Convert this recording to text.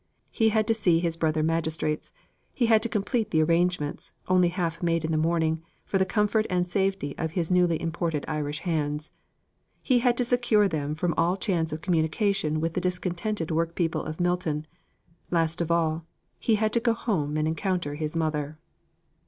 He had to see his brother magistrates; he had to complete the arrangements, only half made in the morning, for the comfort and safety of his newly imported Irish hands; he had to secure them from all chance of communication with the discontented workpeople of Milton. Last of all, he had to go home and encounter his mother.